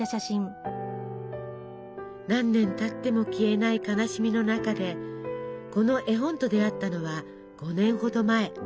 何年たっても消えない悲しみの中でこの絵本と出会ったのは５年ほど前。